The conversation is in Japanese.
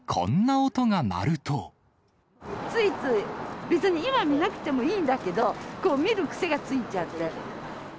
ついつい、別に今、見なくてもいいんだけど、こう見る癖がついちゃって。